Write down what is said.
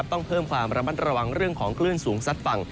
ต้องเพิ่มความระมัดระวังเรื่องของคลื่นสูงซัดฝั่ง